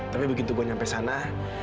tapi begitu gue nyampe sana